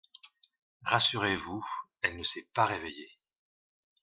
Rassurez-vous … elle ne s'est pas réveillée …